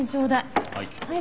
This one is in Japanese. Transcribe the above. はい。